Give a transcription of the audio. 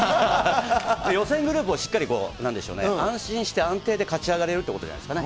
予選グループをしっかり安心して安定して勝ち上れるっていうことじゃないですかね。